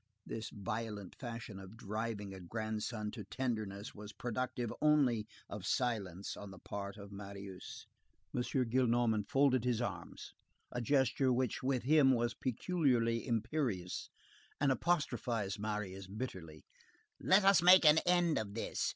This violent fashion of driving a grandson to tenderness was productive only of silence on the part of Marius. M. Gillenormand folded his arms; a gesture which with him was peculiarly imperious, and apostrophized Marius bitterly:— "Let us make an end of this.